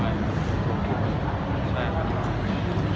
ขอบคุณครับ